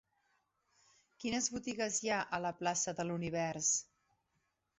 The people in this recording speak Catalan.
Quines botigues hi ha a la plaça de l'Univers?